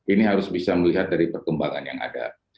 ini harus bisa melihat dari perkembangan yang ada